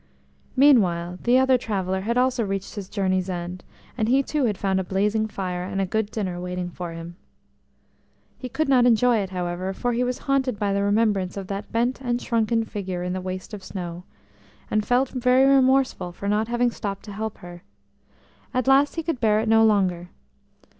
Meanwhile the other traveller had also reached his journey's end; and he too had found a blazing fire and good dinner awaiting him. He could not enjoy it, however, for he was haunted by the remembrance of that bent and shrunken figure in the waste of snow, and felt very remorseful for not having stopped to help her. At last he could bear it no longer.